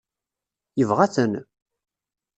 Yebɣa-ten?